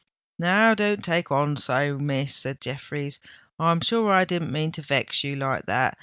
"Now don't take on so, Miss," said Jeffreys: "I'm sure I didn't mean to vex you like that.